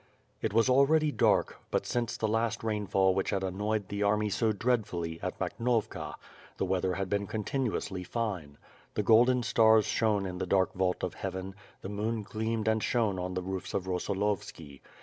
It was already dark but, since the last rainfall which had annoyed the army so dreadfully, at Makhnovka, the weather had been continuously fine. The golden stars shone in the dark vault of heaven, the moon gleamed and shone on the roofs of Rosolovski.